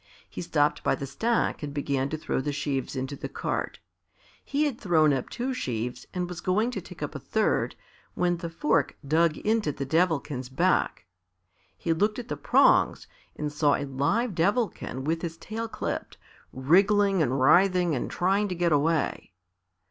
He stopped by the stack and began to throw the sheaves into the cart. He had thrown up two sheaves and was going to take up a third, when the fork dug into the Devilkin's back. He looked at the prongs and saw a live Devilkin with his tail clipped, wriggling and writhing and trying to get away.